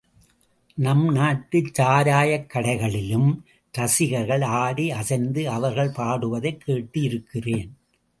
நம் நாட்டுச் சாராயக் கடைகளிலும் ரசிகர்கள் ஆடி அசைந்து அவர்கள் பாடுவதைக் கேட்டு இருக்கிறேன்.